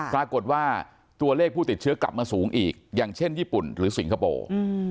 ปรากฏว่าตัวเลขผู้ติดเชื้อกลับมาสูงอีกอย่างเช่นญี่ปุ่นหรือสิงคโปร์